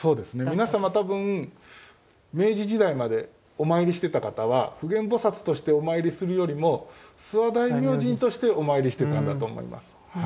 皆様多分明治時代までお参りしていた方は普賢菩としてお参りするよりも諏訪大明神としてお参りしていたんだと思います。